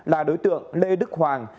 là đối tượng lê đức hoàng